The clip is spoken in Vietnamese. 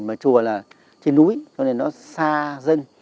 mà chùa là trên núi cho nên nó xa dân